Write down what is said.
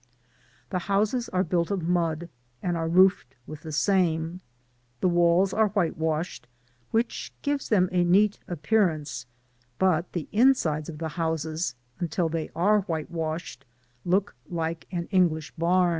The houses are built of mud, and are roofed with the same. The walls are white washed, which gives them a neat a|^)earance, but the insides of the houses, until they are white washed, look like an English b«m.